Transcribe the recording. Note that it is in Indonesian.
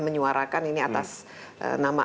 menyuarakan ini atas nama